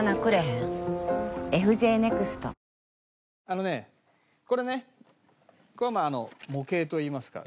あのねこれねこれはまあ模型といいますか。